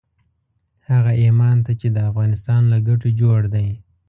هغه ايمان ته چې د افغانستان له ګټو جوړ دی.